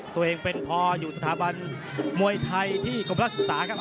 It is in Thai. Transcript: ตัวเองเป็นพออยู่สถาบันมวยไทยที่กรมราชศึกษาครับ